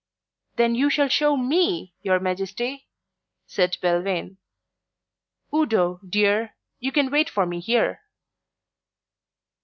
"Then you shall show me, your Majesty," said Belvane. "Udo, dear, you can wait for me here."